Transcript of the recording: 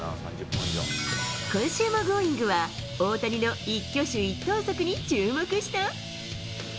今週のＧｏｉｎｇ！は、大谷の一挙手一投足に注目した。